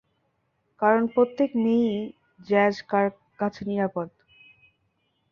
কারণ প্রত্যেক মেয়েই জ্যাজ কাছে নিরাপদ।